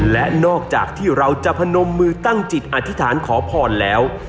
และนอกจากที่เราจะพนมมือตั้งจิตอธิษฐานขอพรแล้ว